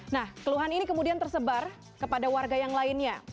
nah keluhan ini kemudian tersebar kepada warga yang lainnya